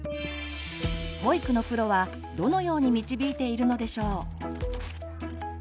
保育のプロはどのように導いているのでしょう？